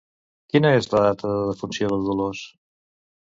Quina és la data de defunció de Dolors?